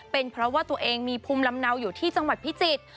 เป็นเพราะว่าตัวเองมีภูมิลำเนาอยู่ที่จังหวัดพิจิตร